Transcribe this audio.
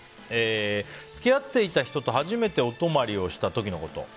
付き合っていた人と初めてお泊まりした時のこと。